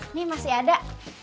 ini masih ada